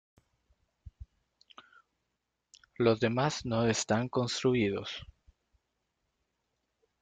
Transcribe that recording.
Los demás no están construidos.